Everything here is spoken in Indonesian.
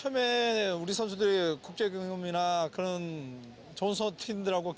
pertama sekali saya berharap